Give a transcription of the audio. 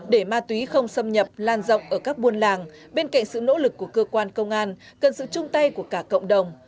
để ma túy không xâm nhập lan rộng ở các buôn làng bên cạnh sự nỗ lực của cơ quan công an cần sự chung tay của cả cộng đồng